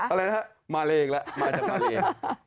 อะไรครับมาเลยอีกแล้วมาจากมาเลย